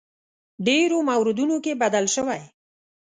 ډېرو موردونو کې بدل شوی.